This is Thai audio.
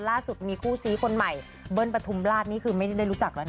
ล่าสุดมีคู่ซี้คนใหม่เบิ้ลปฐุมราชนี่คือไม่ได้รู้จักแล้วนะ